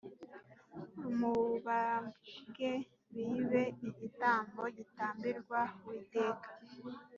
umubabwe bibe igitambo gitambirwa Uwiteka